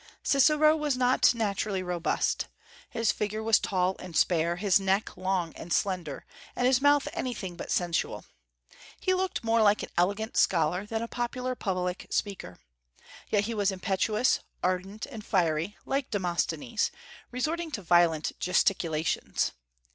Cicero was not naturally robust. His figure was tall and spare, his neck long and slender, and his mouth anything but sensual. He looked more like an elegant scholar than a popular public speaker. Yet he was impetuous, ardent, and fiery, like Demosthenes, resorting to violent gesticulations.